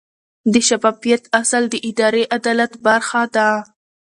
د شفافیت اصل د اداري عدالت برخه ده.